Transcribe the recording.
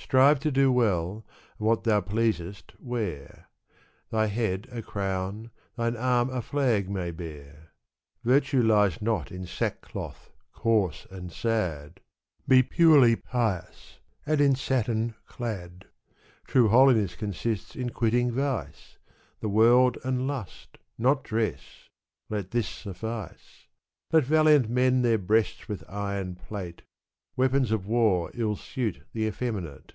Strive to do well, and what thou pleasest, wear ; Thy head a crown, thine arm a flag may bear. Virtue lies not in sackcloth coarse and sad ; Be purely pious, and in satin clad : True holiness consists in quitting vice. The world and lust, — not dress ;— let this suffice. Let valiant men their breasts with iron plate : Weapons of war ill suit the effeminate.